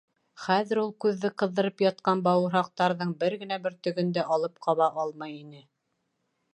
Хәҙер ул күҙҙе ҡыҙҙырып ятҡан бауырһаҡтарҙың бер генә бөртөгөн дә алып ҡаба алмай ине.